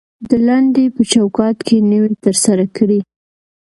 د لنډۍ په چوکات کې نوى تر سره کړى.